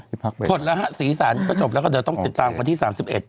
ที่พักไปพอแล้วฮะสีสันก็จบแล้วก็เดี๋ยวต้องติดต่างกับพันที่สามสิบเอ็ด